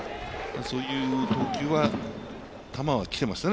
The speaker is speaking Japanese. そういう投球は、球は来てましたね